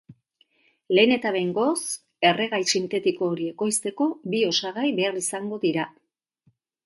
Lehen eta behingoz, erregai sintetiko hori ekoizteko bi osagai behar izango dira.